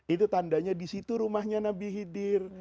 itu tandanya disitu rumahnya nabi hidir